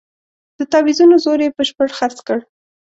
د تاویزونو زور یې بشپړ خرڅ کړ.